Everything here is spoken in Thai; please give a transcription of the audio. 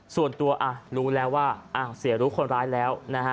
ส่วนตัวรู้แล้วว่าเสียรู้คนร้ายแล้วนะฮะ